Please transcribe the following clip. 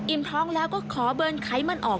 ท้องแล้วก็ขอเบิร์นไขมันออก